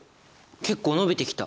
結構延びてきた！